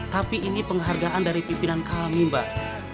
tapi ini penghargaan dari pimpinan kami mbak